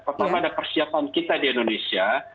pertama ada persiapan kita di indonesia